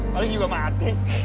paling juga mati